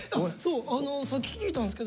さっき聞いたんですけどダンス。